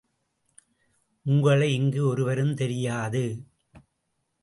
உங்களை இங்கு ஒருவருக்கும் தெரியாது.